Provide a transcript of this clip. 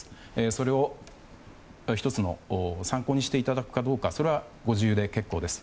それを１つの参考にしていただくかどうかそれはご自由で結構です。